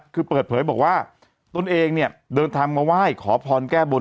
คือเปิดเผยบอกว่าตนเองเนี่ยเดินทางมาไหว้ขอพรแก้บน